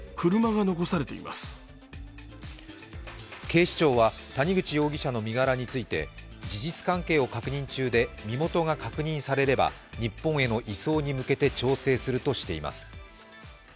警視庁は谷口容疑者の身柄について事実関係を確認中で身元が確認されれば、日本への移送に向けて調整するとしています。